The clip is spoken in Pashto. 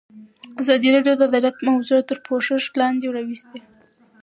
ازادي راډیو د عدالت موضوع تر پوښښ لاندې راوستې.